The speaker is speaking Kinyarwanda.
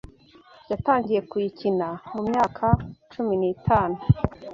Yatangiye kuyikina mu myaka cumi nitanu